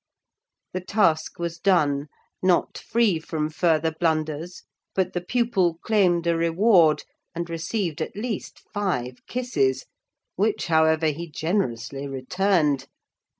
The task was done, not free from further blunders; but the pupil claimed a reward, and received at least five kisses; which, however, he generously returned.